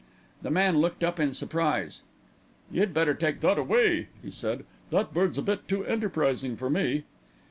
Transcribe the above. The man looked up in surprise. "You'd better take that away," he said. "That bird's a bit too enterprising for me."